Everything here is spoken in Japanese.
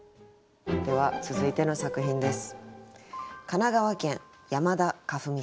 では続いての作品です。